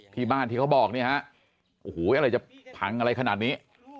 ที่บ้านที่เขาบอกเนี่ยฮะโอ้โหอะไรจะพังอะไรขนาดนี้